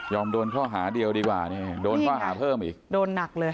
ยอมโดนข้อหาเดียวดีกว่านี่โดนข้อหาเพิ่มด้วย